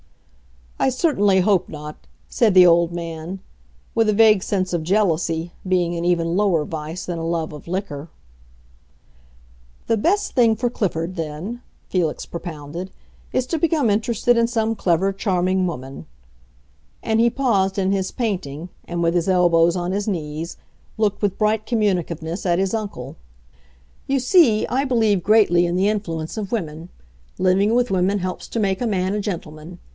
"I certainly hope not," said the old man, with a vague sense of jealousy being an even lower vice than a love of liquor. "The best thing for Clifford, then," Felix propounded, "is to become interested in some clever, charming woman." And he paused in his painting, and, with his elbows on his knees, looked with bright communicativeness at his uncle. "You see, I believe greatly in the influence of women. Living with women helps to make a man a gentleman.